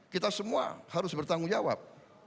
kita semua harus bertanggung jawab